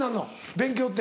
勉強って。